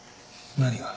何が。